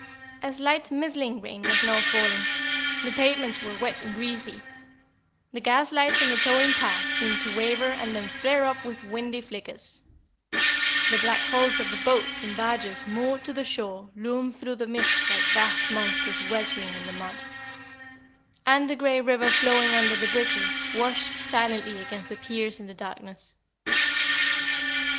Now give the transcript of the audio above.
A slight mizzling rain was now falling; the pavements were wet and greasy; the gas lights on the towing path seemed to waver and then flare up with windy flickers; the black hulls of the boats and barges moored to the shore loomed through the mist like vast monsters weltering in the mud; and the grey river flowing under the bridges washed silently against the piers in the darkness.